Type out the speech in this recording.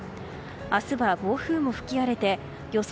明日は暴風雨も吹き荒れて予想